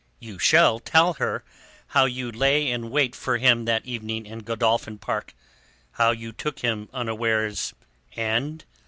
You shall tell her how you lay in wait for him that evening in Godolphin Park; how you took him unawares, and...."